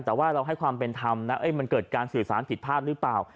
แต่ว่าเราให้ความเป็นธรรมนะมันเกิดการสื่อสารผิดพลาดหรือเปล่า